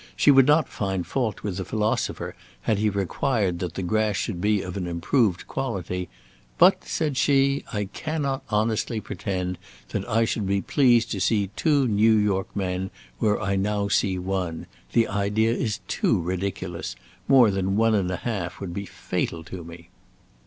She would not find fault with the philosopher had he required that the grass should be of an improved quality; "but," said she, "I cannot honestly pretend that I should be pleased to see two New York men where I now see one; the idea is too ridiculous; more than one and a half would be fatal to me."